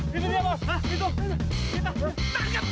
tidak ada bos tidak ada